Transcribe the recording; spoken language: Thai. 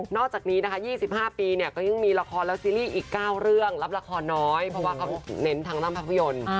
อกจากนี้นะคะ๒๕ปีเนี่ยก็ยังมีละครแล้วซีรีส์อีก๙เรื่องรับละครน้อยเพราะว่าเขาเน้นทางด้านภาพยนตร์